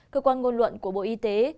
cơ quan ngôn luận của bộ y tế